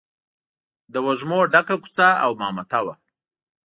له وږمو ډکه کوڅه او مامته وه.